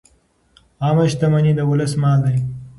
عامه شتمني د ولس مال دی.